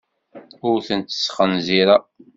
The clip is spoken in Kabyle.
Ur tent-sxenzireɣ.